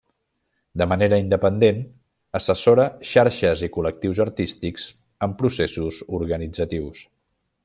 De manera independent, assessora xarxes i col·lectius artístics en processos organitzatius.